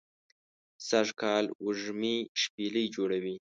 سږ کال وږمې شپیلۍ جوړوی